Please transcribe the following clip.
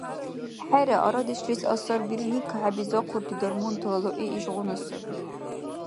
ХӀера, арадешлис асарбирни кахӀебизахъурти дармунтала лугӀи ишгъуна саби.